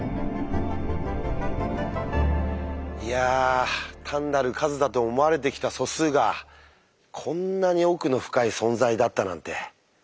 いや単なる数だと思われてきた素数がこんなに奥の深い存在だったなんて。